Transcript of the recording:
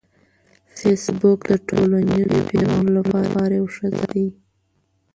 فېسبوک د ټولنیزو پیغامونو لپاره یو ښه ځای دی